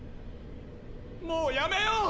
もうやめよう。